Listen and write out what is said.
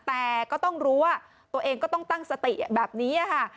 แต่ก็ต้องรู้ว่าตัวเองก็ต้องตั้งสติแบบนี้ค่ะ